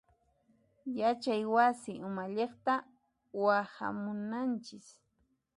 Yachay wasi umalliqta waqhamunanchis.